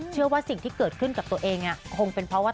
เชื่อว่าสิ่งที่เกิดขึ้นกับตัวเองคงเป็นเพราะว่า